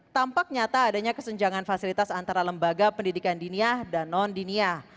tampak nyata adanya kesenjangan fasilitas antara lembaga pendidikan diniah dan non dinia